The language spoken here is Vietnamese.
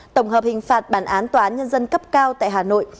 tổng hợp hình phạt bản án tòa án nhân dân cấp cao tại hà nội